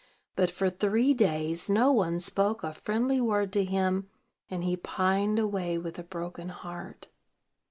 But for three days no one spoke a friendly word to him, and he pined away with a broken heart.